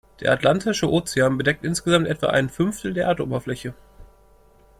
Der Atlantische Ozean bedeckt insgesamt etwa ein Fünftel der Erdoberfläche.